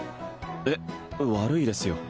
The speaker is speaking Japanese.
えっ悪いですよ